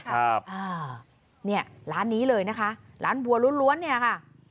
ครับอ่าเนี่ยร้านนี้เลยนะคะร้านบัวล้วนเนี่ยค่ะ